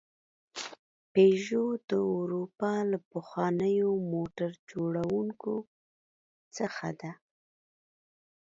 پيژو د اروپا له پخوانیو موټر جوړونکو څخه ده.